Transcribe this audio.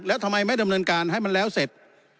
แล้วทำไมไม่ดำเนินการให้มันแล้วเสร็จ